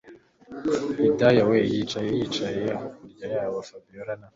Hidaya we yari yicaye hakurya yaho Fabiora na